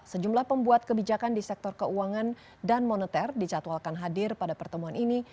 sejumlah pembuat kebijakan di sektor keuangan dan moneter dicatwalkan hadir pada pertemuan ini